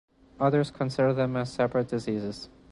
Others consider them separate diseases.